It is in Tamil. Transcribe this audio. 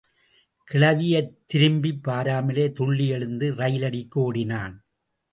கிழவியைத் திரும்பிப் பாராமலே துள்ளி எழுந்து ரயிலடிக்கு ஓடினான்.